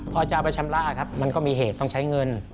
พอจะเอาไปชำระครับมันก็มีเหตุต้องใช้เงิน